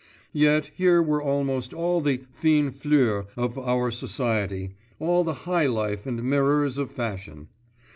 Yet here were almost all the 'fine fleur' of our society, 'all the high life and mirrors of fashion.